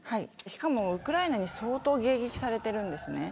しかもウクライナに相当、迎撃されています。